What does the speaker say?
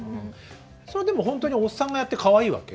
それでも本当におっさんがやってかわいいわけ？